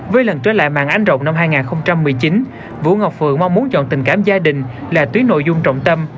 với lần trở lại mạng ánh rộng năm hai nghìn một mươi chín vũ ngọc phượng mong muốn chọn tình cảm gia đình là tuyến nội dung trọng tâm